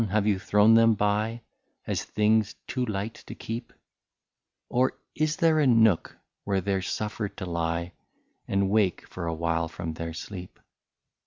Have you thrown them by, As things too light to keep ; Or is there a nook where they 're suffered to lie. And wake for a while from their sleep